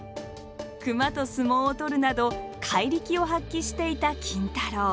熊と相撲を取るなど怪力を発揮していた金太郎。